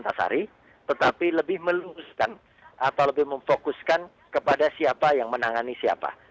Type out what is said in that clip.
menyalahkan statement pak antasari tetapi lebih meluncurkan atau lebih memfokuskan kepada siapa yang menangani siapa